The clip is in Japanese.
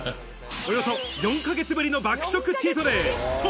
およそ４ヶ月ぶりの爆食チートデイ。